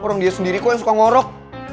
orang dia sendiri kok yang suka ngorok